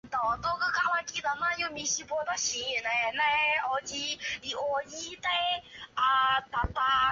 群岛座堂是英国苏格兰大坎布雷岛上的一座苏格兰圣公会的座堂。